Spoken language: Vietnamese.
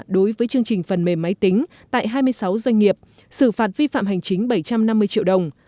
đối với chương trình phần mềm máy tính tại hai mươi sáu doanh nghiệp xử phạt vi phạm hành chính bảy trăm năm mươi triệu đồng